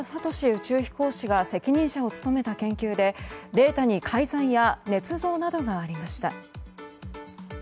宇宙飛行士が責任者を務めた研究でデータに改ざんやねつ造などがありました。